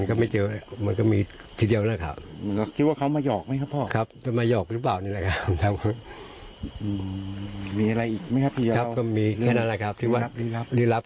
ครับก็มีแค่นั้นแหละครับที่ว่ารีรับก็มีแค่นั้นแหละครับ